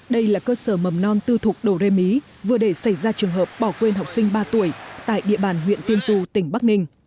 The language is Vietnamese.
đây là cơ sở mầm non tư thuộc đồ rê mí vừa để xảy ra trường hợp bỏ quên học sinh ba tuổi tại địa bàn huyện tiên du tỉnh bắc ninh